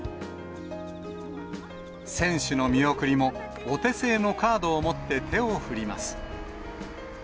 選手の見送りも、お手製のカードを持って、手を振ります。